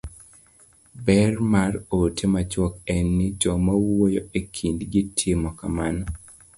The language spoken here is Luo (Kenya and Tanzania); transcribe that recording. ber mar ote machuok en ni joma wuoyo e kindgi timo kamano